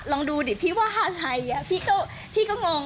ลองดูดิพี่ว่าอะไรพี่ก็งง